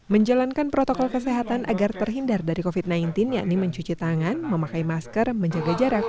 menjalankan protokol kesehatan agar terhindar dari covid sembilan belas yakni mencuci tangan memakai masker menjaga jarak